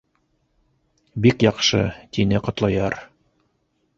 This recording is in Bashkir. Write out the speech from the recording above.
Бик яҡшы, — тине Ҡотлояр.